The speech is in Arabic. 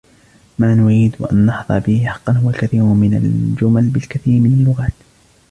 وما نريد أن نحظى به حقًّا هو الكثير من الجمل بالكثير من اللغات.